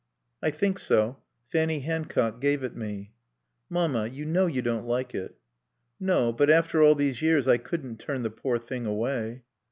"I think so. Fanny Hancock gave it me." "Mamma you know you don't like it." "No. But after all these years I couldn't turn the poor thing away."